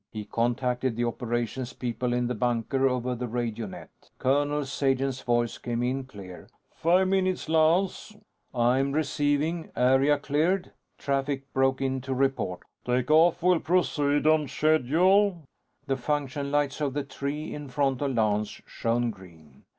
He contacted the Operations people in the bunker over the radio net. Colonel Sagen's voice came in clear: "Five minutes, Lance." "I am receiving. Area cleared?" Traffic broke into report: "Take off will proceed on schedule." The function lights on the "tree" in front of Lance shone green.